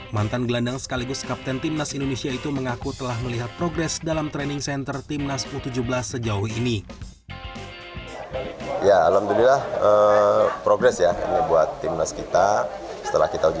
mantan gelandang sekaligus kapten timnas indonesia itu mengaku telah melihat progres dalam training center timnas u tujuh belas sejauh ini